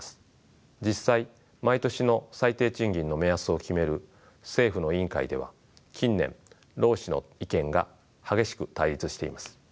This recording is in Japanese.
実際毎年の最低賃金の目安を決める政府の委員会では近年労使の意見が激しく対立しています。